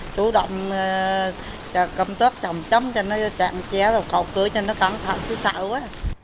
chú động cầm tóp chồng chấm cho nó chạm ché rồi cầu cưới cho nó cắn thận chứ sợ quá